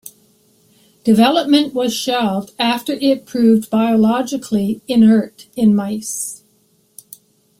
Development was shelved after it proved biologically inert in mice.